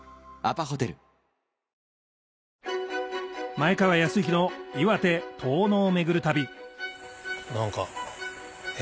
前川泰之の岩手・遠野を巡る旅何かえ？